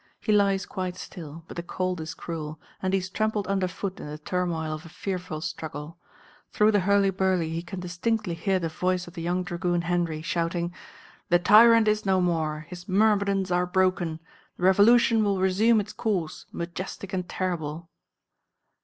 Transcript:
He lies quite still, but the cold is cruel, and he is trampled underfoot in the turmoil of a fearful struggle. Through the hurly burly he can distinctly hear the voice of the young dragoon Henry, shouting: "The tyrant is no more; his myrmidons are broken. The Revolution will resume its course, majestic and terrible."